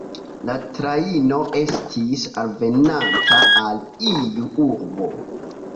La trajno estis alvenanta al iu urbo.